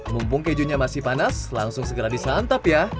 mumpung kejunya masih panas langsung segera di santap ya